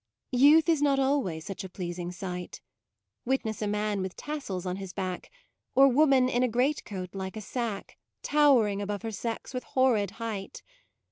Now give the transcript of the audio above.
Youth is not always such a pleasing sight, Witness a man with tassels on his back; Or woman in a great coat like a sack Towering above her sex with horrid height.